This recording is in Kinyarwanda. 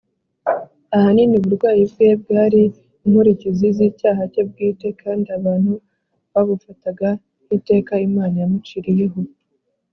. Ahanini, uburwayi bwe bwari inkurikizi z’icyaha cye bwite kandi abantu babufataga nk’iteka Imana yamuciriyeho